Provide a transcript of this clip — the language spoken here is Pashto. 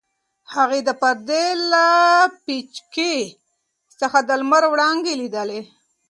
هغې د پردې له پیڅکې څخه د لمر وړانګې لیدلې.